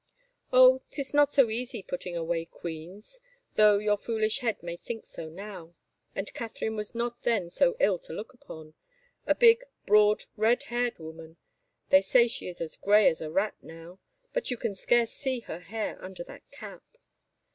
"" Oh, 'tis not so easy putting away queens, though your foolish head may now think so. And Catherine was not then so ill to look upon, a big, broad, red haired woman. They say she is as gray as a rat now, but you can scarce see her hair under that cap.